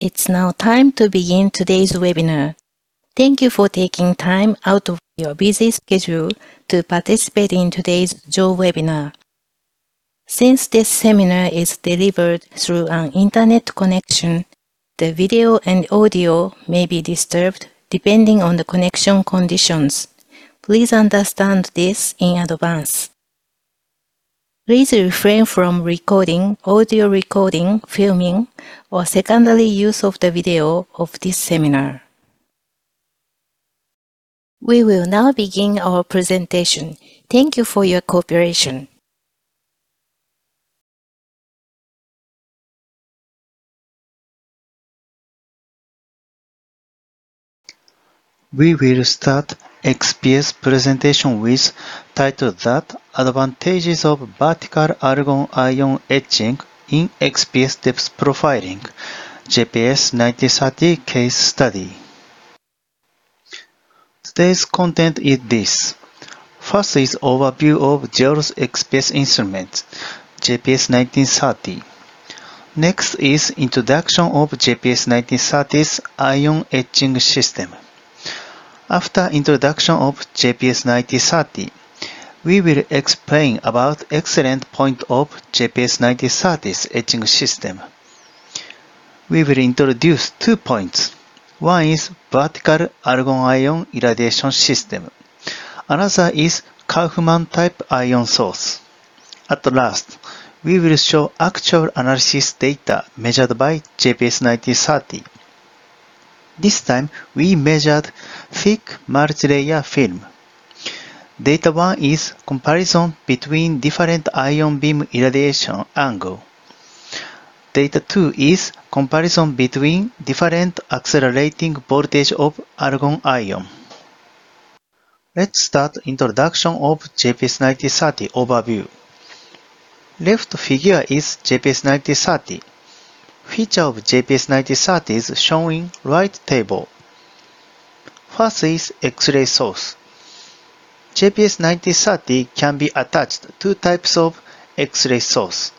It's now time to begin today's webinar. Thank you for taking time out of your busy schedule to participate in today's JEOL webinar. Since this seminar is delivered through an internet connection, the video and audio may be disturbed depending on the connection conditions. Please understand this in advance. Please refrain from recording, audio recording, filming, or secondary use of the video of this seminar. We will now begin our presentation. Thank you for your cooperation. We will start XPS presentation with title that Advantages of Vertical Argon Ion Etching in XPS Depth Profiling, JPS-9030 Case Study. Today's content is this: first is overview of JEOL's XPS instruments, JPS-9030. Next is introduction of JPS-9030's ion etching system. After introduction of JPS-9030, we will explain about excellent point of JPS-9030's etching system. We will introduce two points. One is vertical argon ion irradiation system. Another is Kaufman-type ion source. At last, we will show actual analysis data measured by JPS-9030. This time, we measured thick multilayer film. Data one is comparison between different ion beam irradiation angle. Data two is comparison between different accelerating voltage of argon ion. Let's start introduction of JPS-9030 overview. Left figure is JPS-9030. Feature of JPS-9030 is shown in right table. First is X-ray source. JPS-9030 can be attached two types of X-ray source.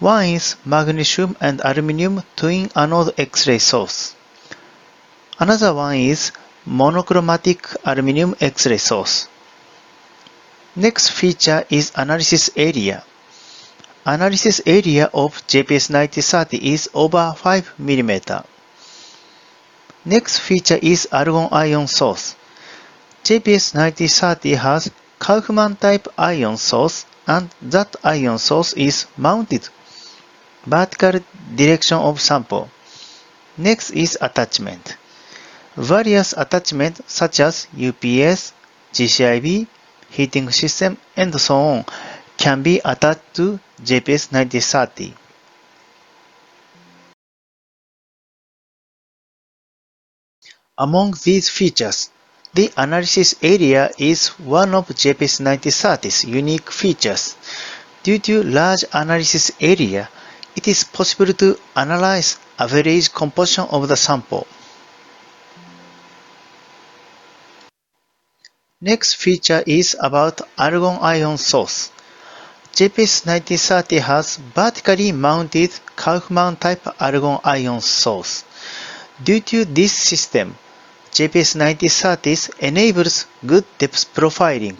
One is magnesium and aluminum twin anode X-ray source. Another one is monochromatic aluminum X-ray source. Next feature is analysis area. Analysis area of JPS-9030 is over 5 mm. Next feature is argon ion source. JPS-9030 has Kaufman-type ion source, and that ion source is mounted vertical direction of sample. Next is attachment. Various attachment, such as UPS, GCIB, heating system, and so on, can be attached to JPS-9030. Among these features, the analysis area is one of JPS-9030's unique features. Due to large analysis area, it is possible to analyze average composition of the sample. Next feature is about argon ion source. JPS-9030 has vertically mounted Kaufman-type argon ion source. Due to this system, JPS-9030 enables good depth profiling.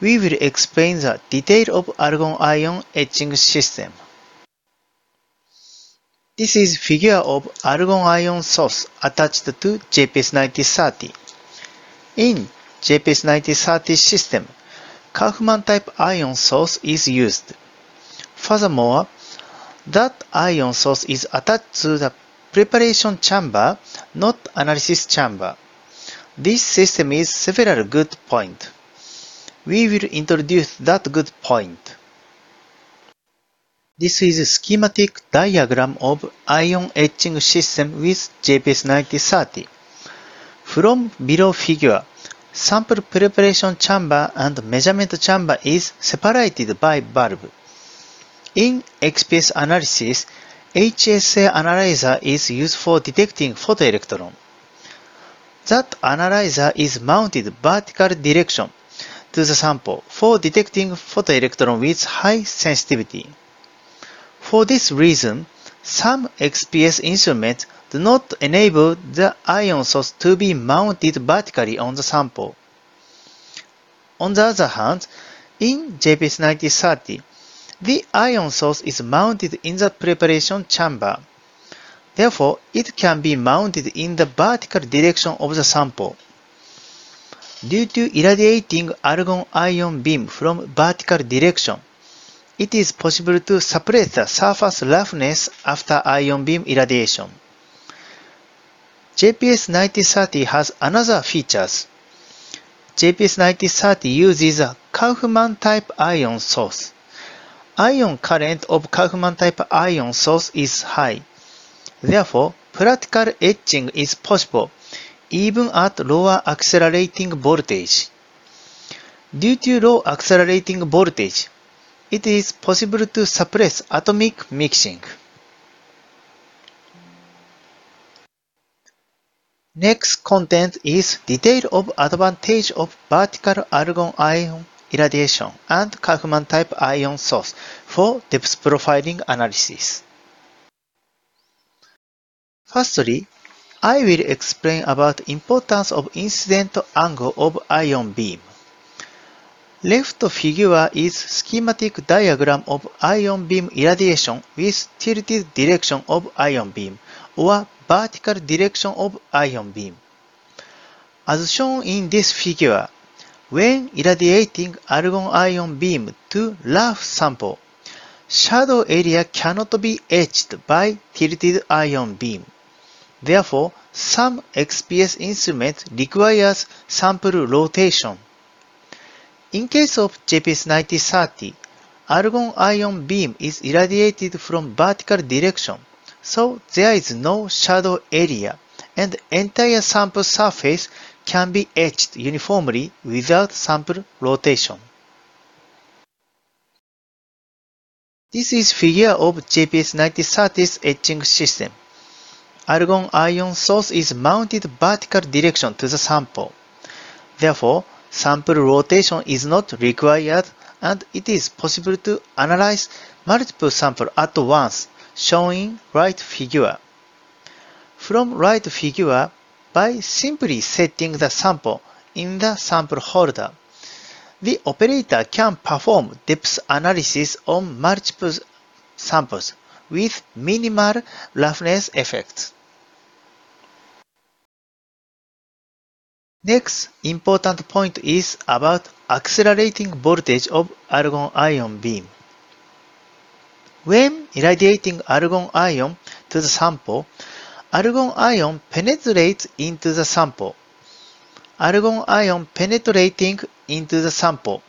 We will explain the detail of argon ion etching system. This is figure of argon ion source attached to JPS-9030. In JPS-9030 system, Kaufman-type ion source is used. Furthermore, that ion source is attached to the preparation chamber, not analysis chamber. This system is several good point. We will introduce that good point. This is a schematic diagram of ion etching system with JPS-9030. From below figure, sample preparation chamber and measurement chamber is separated by valve. In XPS analysis, HSA analyzer is used for detecting photoelectron. That analyzer is mounted vertical direction to the sample for detecting photoelectron with high sensitivity. For this reason, some XPS instruments do not enable the ion source to be mounted vertically on the sample. On the other hand, in JPS-9030, the ion source is mounted in the preparation chamber. Therefore, it can be mounted in the vertical direction of the sample. Due to irradiating argon ion beam from vertical direction, it is possible to suppress the surface roughness after ion beam irradiation. JPS-9030 has another features. JPS-9030 uses a Kaufman-type ion source. Ion current of Kaufman-type ion source is high. Therefore, practical etching is possible even at lower accelerating voltage. Due to low accelerating voltage, it is possible to suppress atomic mixing. Next content is detail of advantage of vertical argon ion irradiation and Kaufman-type ion source for depth profiling analysis. Firstly, I will explain about importance of incident angle of ion beam. Left figure is schematic diagram of ion beam irradiation with tilted direction of ion beam or vertical direction of ion beam. As shown in this figure, when irradiating argon ion beam to rough sample, shadow area cannot be etched by tilted ion beam. Therefore, some XPS instrument requires sample rotation. In case of JPS-9030, argon ion beam is irradiated from vertical direction, so there is no shadow area, and entire sample surface can be etched uniformly without sample rotation. This is a figure of the JPS-9030's etching system. The argon ion source is mounted in the vertical direction to the sample. Therefore, sample rotation is not required, and it is possible to analyze multiple samples at once, shown in the right figure. From the right figure, by simply setting the sample in the sample holder, the operator can perform depth analysis on multiple samples with minimal roughness effects. The next important point is about the accelerating voltage of the argon ion beam. When irradiating argon ion to the sample, argon ion penetrates into the sample. Argon ion penetrating into the sample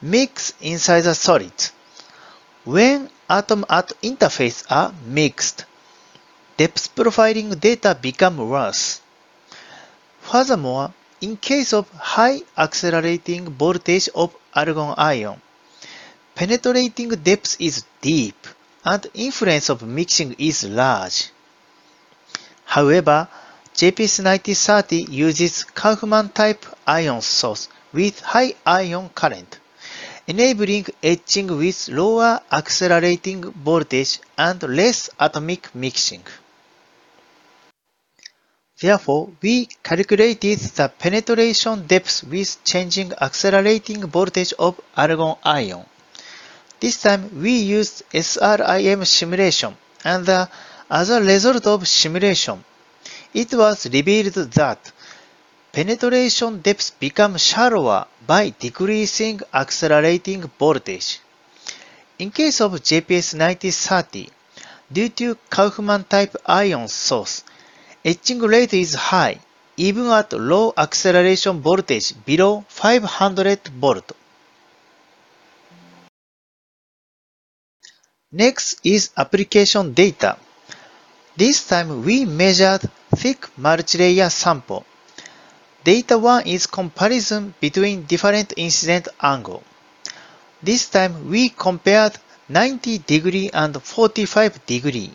mixes inside the solids. When atoms at the interface are mixed, depth profiling data become worse. Furthermore, in the case of high accelerating voltage of argon ion, penetrating depth is deep and influence of mixing is large. However, the JPS-9030 uses a Kaufman-type ion source with high ion current, enabling etching with lower accelerating voltage and less atomic mixing. Therefore, we calculated the penetration depth with changing accelerating voltage of argon ion. This time, we used SRIM simulation, and, as a result of simulation, it was revealed that penetration depth become shallower by decreasing accelerating voltage. In case of JPS-9030, due to Kaufman-type ion source, etching rate is high, even at low acceleration voltage below 500 volt. Next is application data. This time, we measured thick multilayer sample. Data one is comparison between different incident angle. This time, we compared 90 degree and 45 degree.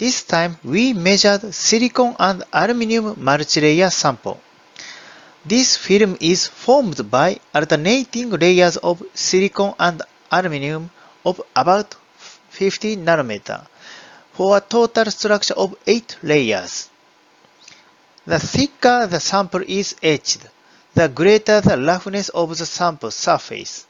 This time, we measured silicon and aluminum multilayer sample. This film is formed by alternating layers of silicon and aluminum of about 50 nanometer, for a total structure of 8 layers. The thicker the sample is etched, the greater the roughness of the sample surface.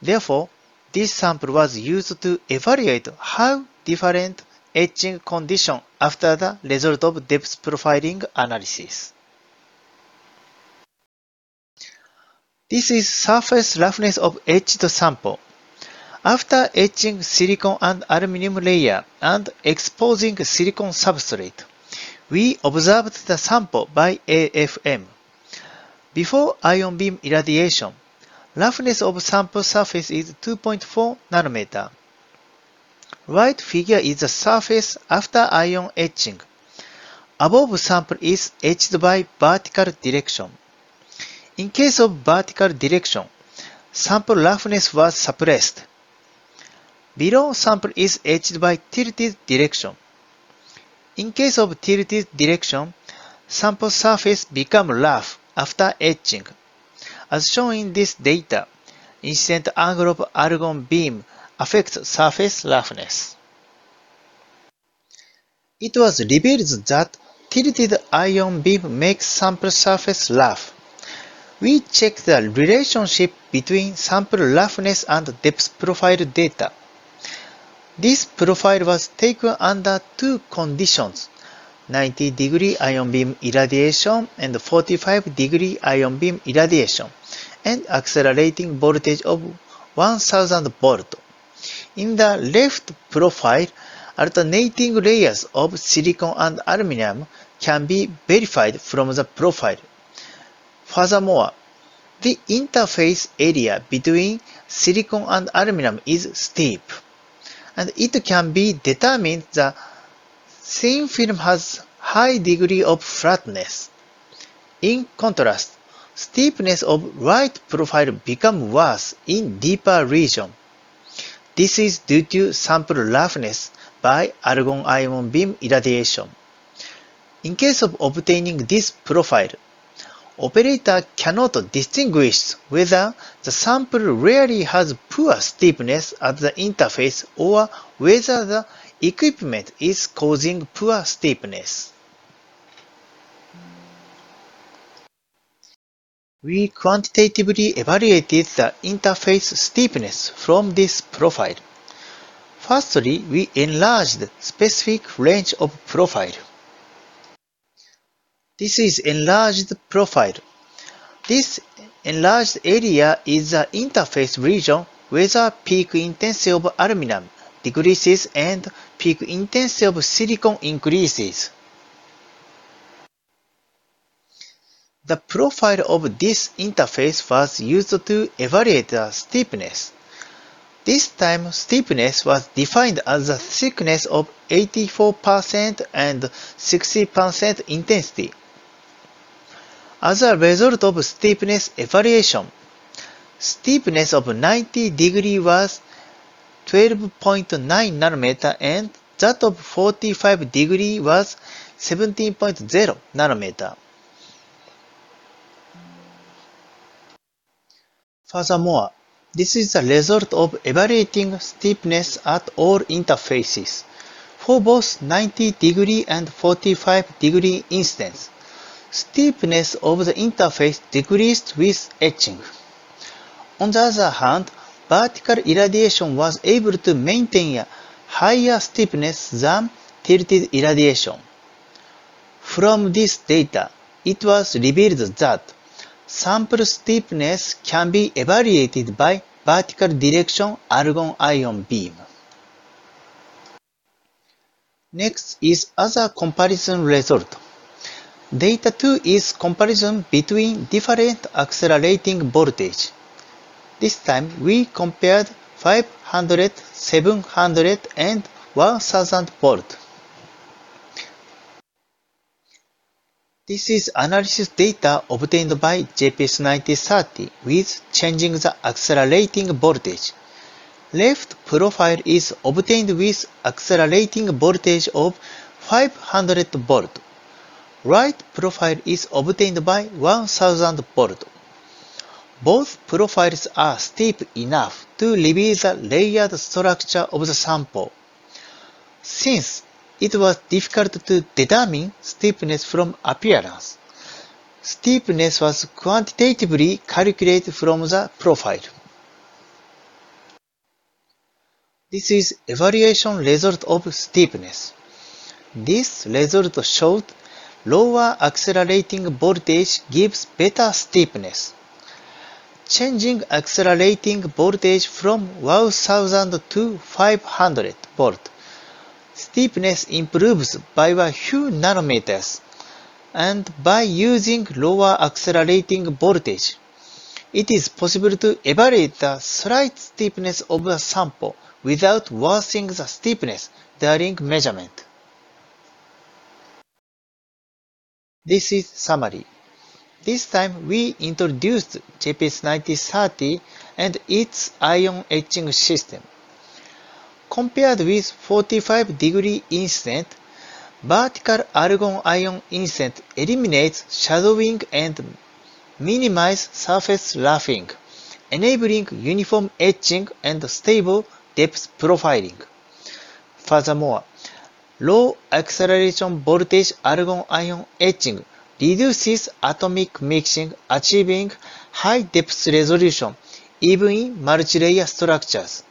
Therefore, this sample was used to evaluate how different etching condition after the result of depth profiling analysis. This is surface roughness of etched sample. After etching silicon and aluminum layer and exposing silicon substrate, we observed the sample by AFM. Before ion beam irradiation, roughness of sample surface is 2.4 nanometer. Right figure is the surface after ion etching. Above sample is etched by vertical direction. In case of vertical direction, sample roughness was suppressed. Below sample is etched by tilted direction. In case of tilted direction, sample surface become rough after etching. As shown in this data, incident angle of argon beam affects surface roughness. It was revealed that tilted ion beam makes sample surface rough. We checked the relationship between sample roughness and depth profile data. This profile was taken under two conditions: 90-degree ion beam irradiation and 45-degree ion beam irradiation, and accelerating voltage of 1,000 V. In the left profile, alternating layers of silicon and aluminum can be verified from the profile. Furthermore, the interface area between silicon and aluminum is steep, and it can be determined the thin film has high degree of flatness. In contrast, steepness of right profile become worse in deeper region. This is due to sample roughness by argon ion beam irradiation. In case of obtaining this profile, operator cannot distinguish whether the sample really has poor steepness at the interface, or whether the equipment is causing poor steepness. We quantitatively evaluated the interface steepness from this profile. Firstly, we enlarged specific range of profile. This is enlarged profile. This enlarged area is the interface region, where the peak intensity of aluminum decreases and peak intensity of silicon increases. The profile of this interface was used to evaluate the steepness. This time, steepness was defined as the thickness of 84% and 16% intensity. As a result of steepness evaluation, steepness of 90 degree was 12.9 nanometer, and that of 45 degree was 17.0 nanometer. Furthermore, this is the result of evaluating steepness at all interfaces. For both 90 degree and 45 degree incidence, steepness of the interface decreased with etching. On the other hand, vertical irradiation was able to maintain a higher steepness than tilted irradiation. From this data, it was revealed that sample steepness can be evaluated by vertical direction argon ion beam. Next is other comparison result. Data two is comparison between different accelerating voltage. This time, we compared 500, 700, and 1,000 volt. This is analysis data obtained by JPS-9030 with changing the accelerating voltage. Left profile is obtained with accelerating voltage of 500 volt. Right profile is obtained by 1,000 volt. Both profiles are steep enough to reveal the layered structure of the sample. Since it was difficult to determine steepness from appearance, steepness was quantitatively calculated from the profile. This is evaluation result of steepness. This result showed lower accelerating voltage gives better steepness. Changing accelerating voltage from 1,000 to 500 volt, steepness improves by a few nanometers. And by using lower accelerating voltage, it is possible to evaluate the slight steepness of a sample without worsening the steepness during measurement. This is summary. This time, we introduced JPS-9030 and its ion etching system. Compared with 45-degree incident, vertical argon ion incident eliminates shadowing and minimize surface roughing, enabling uniform etching and stable depth profiling. Furthermore, low acceleration voltage argon ion etching reduces atomic mixing, achieving high depth resolution, even in multilayer structures.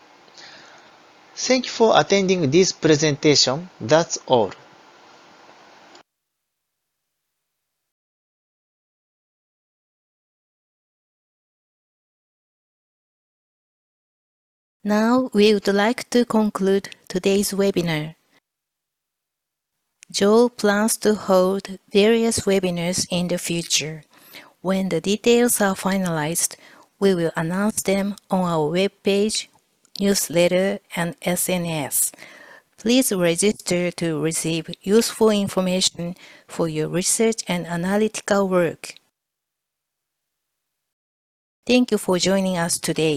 Thank you for attending this presentation. That's all. Now, we would like to conclude today's webinar. JEOL plans to hold various webinars in the future. When the details are finalized, we will announce them on our webpage, newsletter, and SNS. Please register to receive useful information for your research and analytical work. Thank you for joining us today.